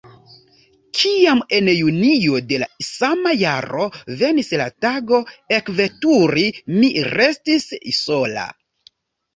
Kiam en junio de la sama jaro venis la tago ekveturi, mi restis sola.